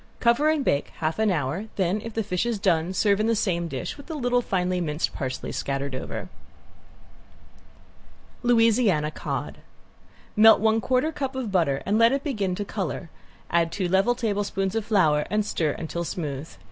Cover and bake half hour, then if the fish is done serve in the same dish with little finely minced parsley scattered over. ~LOUISIANA COD~ Melt one quarter cup of butter and let it begin to color, add two level tablespoons of flour and stir until smooth.